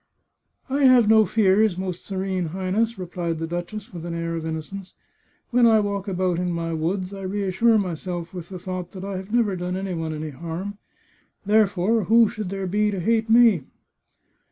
" I have no fears, Most Serene Highness," replied the duchess, with an air of innocence. " When I walk about in my woods, I reassure myself with the thought that I have never done any one any harm ; therefore, who should there be to hate me